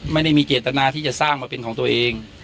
ไม่ได้มีเจตนาที่จะสร้างมาเป็นของตัวเอง